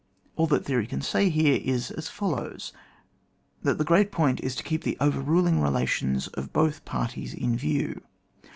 All that theory can here say is as follows: — That the great point is to keep the overruling rela tions of both parties in view.